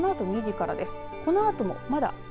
このあと２時からです。